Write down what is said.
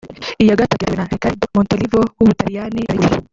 Iya gatatu yatewe na Riccardo Montolivo w’u Butaliyani arayihusha